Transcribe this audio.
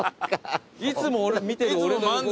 いつも見てる俺の横顔。